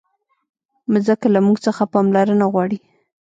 مځکه له موږ څخه پاملرنه غواړي.